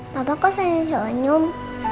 papa kok senyum senyum